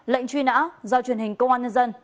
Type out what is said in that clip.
lệnh truy nã do truyền hình công an nhân dân